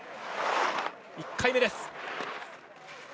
１回目です。